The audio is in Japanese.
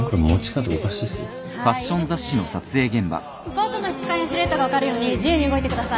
コートの質感やシルエットが分かるように自由に動いてください。